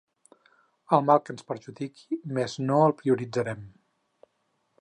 El mal que ens perjudiqui més no el prioritzarem.